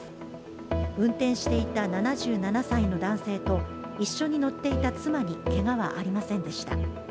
運転していた７７歳の男性と一緒に乗っていた妻にけがはありませんでした。